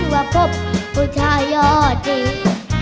ว่าพบผู้ชายยอดเด็ก